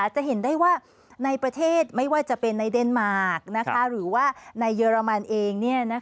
จะเห็นได้ว่าในประเทศไม่ว่าจะเป็นในเดนมาร์คหรือว่าในเยอรมันเอง